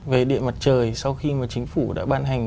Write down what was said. về điện mặt trời sau khi mà chính phủ đã ban hành